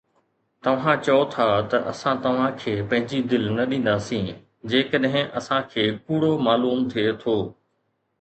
توهان چئو ٿا ته اسان توهان کي پنهنجي دل نه ڏينداسين جيڪڏهن اسان کي ڪوڙو معلوم ٿئي ٿو